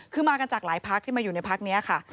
คือมากันจากหลายพักที่มาอยู่ในพักนี้ค่ะ